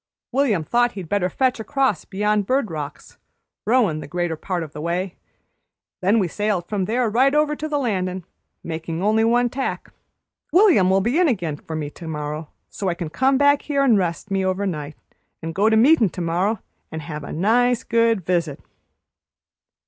William thought he'd better fetch across beyond Bird Rocks, rowin' the greater part o' the way; then we sailed from there right over to the landin', makin' only one tack. William'll be in again for me to morrow, so I can come back here an' rest me over night, an' go to meetin' to morrow, and have a nice, good visit."